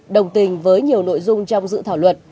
đồng tình với nhiều nội dung trong dự thảo luật